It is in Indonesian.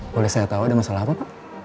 boleh saya tahu ada masalah apa pak